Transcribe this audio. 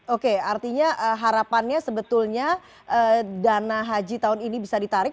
oke artinya harapannya sebetulnya dana haji tahun ini bisa ditarik